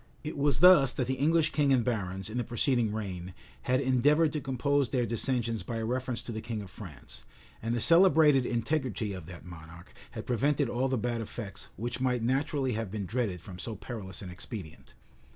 It was thus that the English king and barons, in the preceding reign, had endeavored to compose their dissensions by a reference to the king of France; and the celebrated integrity of that monarch had prevented all the bad effects which might naturally have been dreaded from so perilous an expedient.